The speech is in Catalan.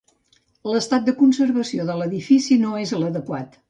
L'estat de conservació de l'edifici no és l'adequat.